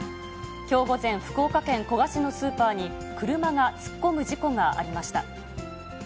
きょう午前、福岡県古賀市のスーパーに、車が突っ込む事故がありました。